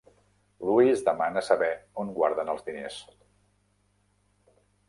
Louis demana saber on guarden els diners.